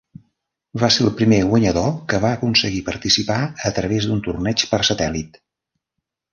Va ser el primer guanyador que va aconseguir participar a través d'un torneig per satèl·lit.